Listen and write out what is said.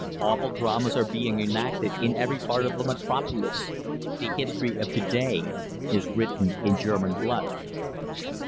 Awful dramas are being enacted in every part of the metropolis. The history of to day is written in German blood.